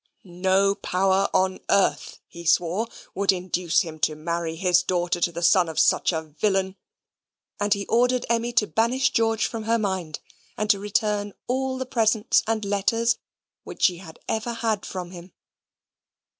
No power on earth, he swore, would induce him to marry his daughter to the son of such a villain, and he ordered Emmy to banish George from her mind, and to return all the presents and letters which she had ever had from him.